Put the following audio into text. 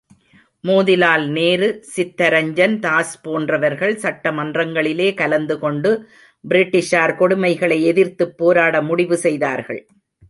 மோதிலால் நேரு, சித்தரஞ்சன் தாஸ் போன்றவர்கள், சட்டமன்றங்களிலே கலந்து கொண்டு, பிரிட்டிஷார் கொடுமைகளை எதிர்த்துப் போராடிட முடிவு செய்தார்கள்.